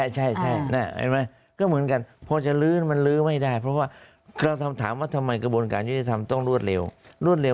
ใช่เห็นไหมก็เหมือนกันพอจะลื้อมันลื้อไม่ได้เพราะว่าเราถามว่าทำไมกระบวนการยุติธรรมต้องรวดเร็วรวดเร็